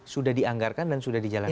sudah dianggarkan dan sudah dijalankan